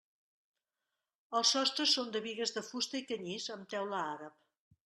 Els sostres són de bigues de fusta i canyís amb teula àrab.